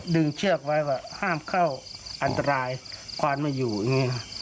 เชือกไว้ว่าห้ามเข้าอันตรายควานไม่อยู่อย่างนี้นะ